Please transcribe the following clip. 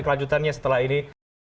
kelanjutannya setelah ini